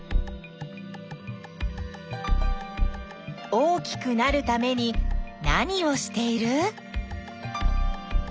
大きくなるために何をしている？